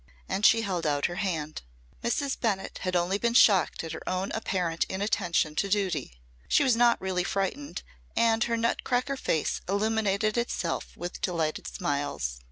And she held out her hand. Mrs. Bennett had only been shocked at her own apparent inattention to duty. She was not really frightened and her nutcracker face illuminated itself with delighted smiles.